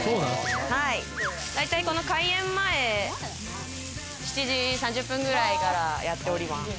だいたい開園前７時３０分ぐらいからやっております。